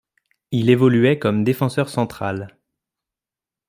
Il évoluait comme défenseur central.